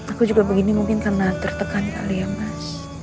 aku juga begini mungkin karena tertekan kali ya mas